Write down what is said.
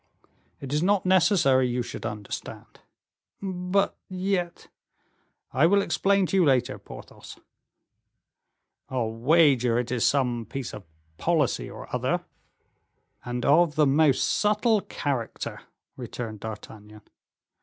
"It is not necessary you should understand." "But yet " "I will explain to you later, Porthos." "I'll wager it is some piece of policy or other." "And of the most subtle character," returned D'Artagnan.